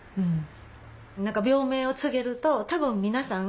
何か病名を告げると多分皆さん